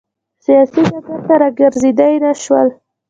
سیاسي ډګر ته راګرځېدای نه شول.